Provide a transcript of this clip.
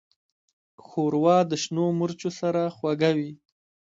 ښوروا د شنو مرچو سره خوږه وي.